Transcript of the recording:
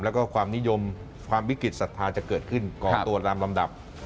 แล้วก็ความนิยมความวิกฤตศรัทธาจะเกิดขึ้นก่อตัวตามลำดับ